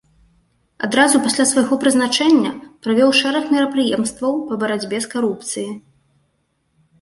Адразу пасля свайго прызначэння правёў шэраг мерапрыемстваў па барацьбе з карупцыяй.